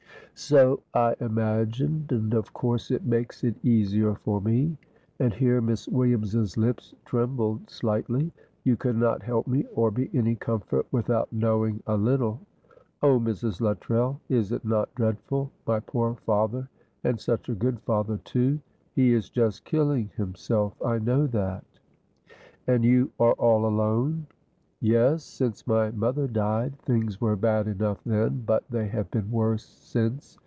"So I imagined, and of course it makes it easier for me." And here Miss Williams's lips trembled slightly. "You could not help me or be any comfort without knowing a little. Oh, Mrs. Luttrell, is it not dreadful? My poor father, and such a good father, too. He is just killing himself, I know that." "And you are all alone?" "Yes, since my mother died. Things were bad enough then, but they have been worse since.